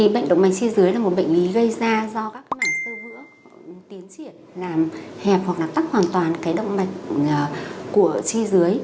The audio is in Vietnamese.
bệnh động mạch chi dưới là một bệnh lý gây ra do các mảng sơ vữa tiến triển làm hẹp hoặc tắc hoàn toàn động mạch của chi dưới